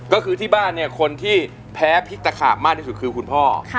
ก็คือที่บ้านเนี่ยคนที่แพ้พริกตะขาบมากที่สุดคือคุณพ่อ